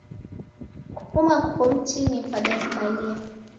Kufuma kuko mtini kwadanikalia.